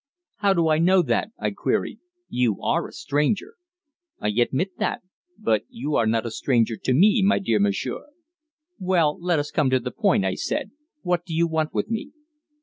"How do I know that?" I queried. "You are a stranger." "I admit that. But you are not a stranger to me, my dear monsieur." "Well, let us come to the point," I said. "What do you want with me?"